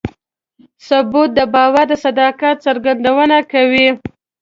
ثبوت د باور د صداقت څرګندونه کوي.